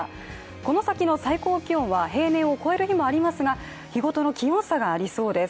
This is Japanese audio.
この先の最高気温は平年を超える日もありますが日ごとの気温差がありそうです。